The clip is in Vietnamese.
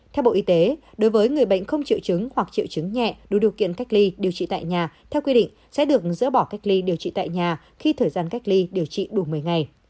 theo bộ y tế đối với người bệnh không triệu chứng hoặc triệu chứng nhẹ đủ điều kiện cách ly điều trị tại nhà theo quy định sẽ được dỡ bỏ cách ly điều trị tại nhà khi thời gian cách ly điều trị đủ một mươi ngày